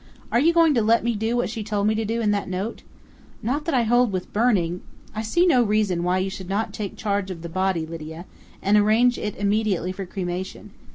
"Are you going to let me do what she told me to, in that note?... Not that I hold with burning " "I see no reason why you should not take charge of the body, Lydia, and arrange it immediately for cremation....